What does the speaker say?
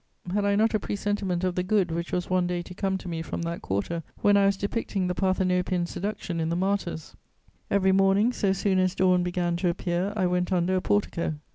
Had I not a presentiment of the good which was one day to come to me from that quarter, when I was depicting the Parthenopian seduction in the Martyrs: "Every morning, so soon as dawn began to appear, I went under a portico....